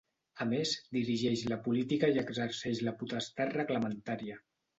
A més, dirigeix la política i exerceix la potestat reglamentària.